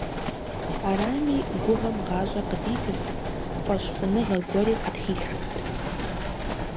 Арами, гугъэм гъащӀэ къыдитырт, фӀэщхъуныгъэ гуэри къытхилъхьэрт.